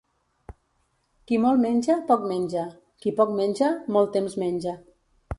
Qui molt menja poc menja; qui poc menja molt temps menja.